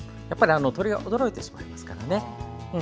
やっぱり鳥が驚いてしまいますからね。